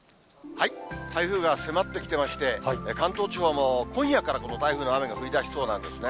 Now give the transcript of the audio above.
台風が迫ってきてまして、関東地方も今夜から台風の雨が降りだしそうなんですね。